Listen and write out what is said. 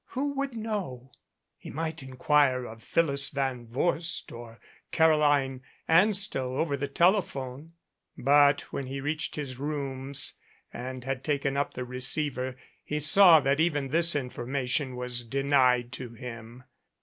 Who would know? He might inquire of Phyllis Van Vorst or Caroline Anstell over the telephone. But when he reached his rooms and had taken up the receiver he saw that even this in formation was denied to him.